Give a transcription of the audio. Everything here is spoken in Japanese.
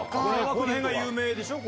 このへんが有名でしょ。